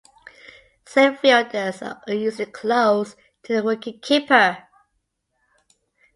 Slip fielders are usually close to the wicketkeeper.